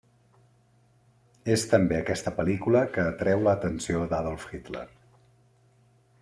És també aquesta pel·lícula que atreu l'atenció d'Adolf Hitler.